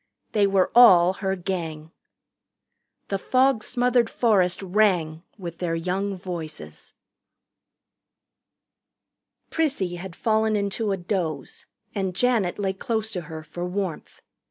They were all her Gang. The fog smothered forest rang with their young voices. Prissy had fallen into a doze, and Janet lay close to her for warmth.